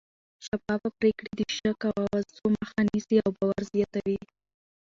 شفافه پرېکړې د شک او اوازو مخه نیسي او باور زیاتوي